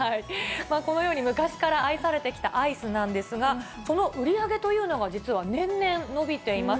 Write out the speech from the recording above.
このように、昔から愛されてきたアイスなんですが、その売り上げというのが、実は年々伸びています。